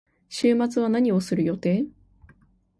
週末は何をする予定？